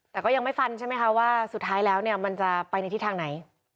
แต่ก็ยังไม่ฟันใช่ไหมคะว่าสุดท้ายแล้วเนี่ยมันจะไปในทิศทางไหน